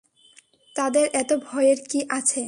তাদের এত ভয়ের কী আছে?